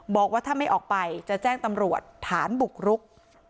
บอกว่าถ้าไม่ออกไปจะแจ้งตำรวจฐานบุกรุก